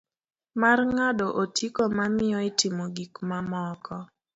Mar ng'ado otiko ma miyo itimo gik mamoko.